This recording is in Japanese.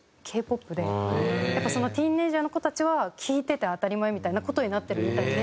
やっぱりティーンエージャーの子たちは聴いてて当たり前みたいな事になってるみたいで。